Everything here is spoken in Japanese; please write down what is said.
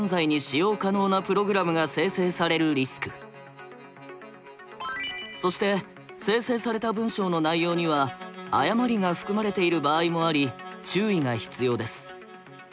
まず更にそして生成された文章の内容には誤りが含まれている場合もあり注意が必要です。